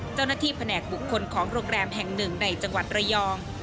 เจ้าหน้าที่แผนกบุคคลของโรงแรมแห่งหนึ่งในจังหวัดระยอง